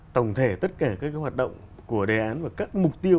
tổng thể tất cả các hoạt động của đề án và các mục tiêu